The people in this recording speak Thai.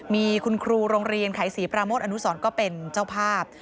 มีคุณครูโรงเรียนไขศรีปราโมทอนุสรก็เป็นเจ้าภาพ